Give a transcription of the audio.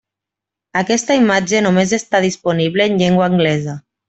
Aquesta imatge només està disponible en llengua anglesa.